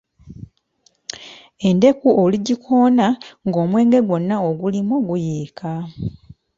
Endeku olugikoonako nga omwenge gwonna ogulimu guyiika.